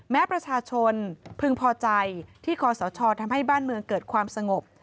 แม้ประชาชนพึงพอใจที่คอสชทำให้บ้านเมืองเกิดความสงบ